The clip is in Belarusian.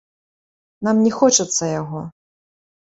Нам не хочацца яго.